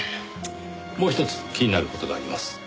もうひとつ気になる事があります。